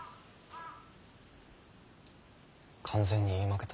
完全に言い負けた。